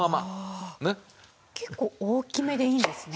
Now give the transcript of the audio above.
結構大きめでいいんですね。